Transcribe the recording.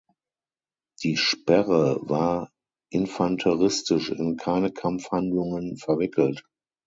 Die Sperre war infanteristisch in keine Kampfhandlungen verwickelt.